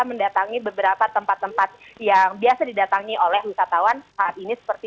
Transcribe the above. mendatangi beberapa tempat tempat yang biasa didatangi oleh wisatawan saat ini seperti